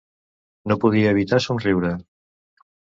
No podia evitar somriure.